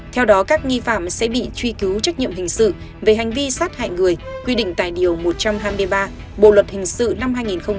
theo đó các nghi phạm sẽ bị truy cứu trách nhiệm hình sự về hành vi sát hại người quy định tài điều một trăm hai mươi ba bộ luật hình sự năm hai nghìn một mươi năm